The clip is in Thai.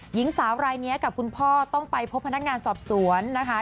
หญิงสาวรายนี้กับคุณพ่อต้องไปพบพนักงานสอบสวนนะคะ